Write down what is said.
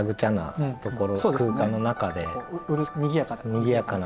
にぎやかな。